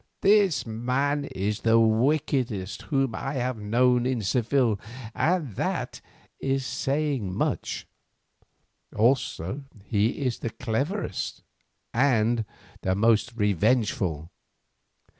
This man is the wickedest whom I have known in Seville, and that is saying much, also he is the cleverest and the most revengeful.